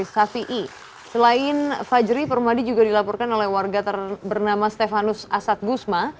selain fajri permadi juga dilaporkan oleh warga bernama stefanus asad gusma